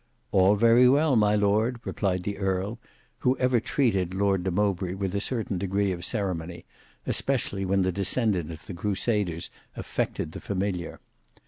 "All very well, my lord," replied the earl, who ever treated Lord de Mowbray with a certain degree of ceremony, especially when the descendant of the crusaders affected the familiar.